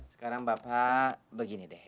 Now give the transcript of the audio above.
sekarang bapak begini deh